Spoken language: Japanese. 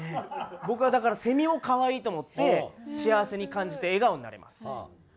僕はだからセミを可愛いと思って幸せに感じて笑顔になれます。